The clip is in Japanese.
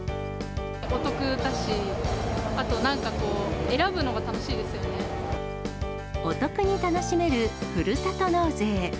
お得だし、あとなんかこう、お得に楽しめるふるさと納税。